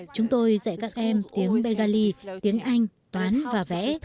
chúng tôi dạy các em tiếng begali tiếng anh toán và vẽ